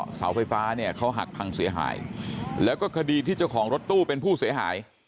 เสาไฟฟ้าเนี่ยเขาหักพังเสียหายแล้วก็คดีที่เจ้าของรถตู้เป็นผู้เสียหาย